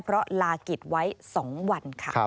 เพราะลากิจไว้๒วันค่ะ